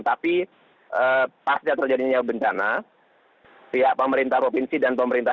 tapi pasca terjadinya bencana pihak pemerintah provinsi dan pemerintah